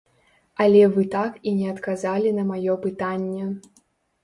Але вы так і не адказалі на маё пытанне.